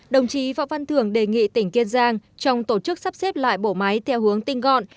đồng chí võ văn thường đề nghị tỉnh kiên giang trong tổ chức sắp xếp lại bổ máy theo hướng tinh gọn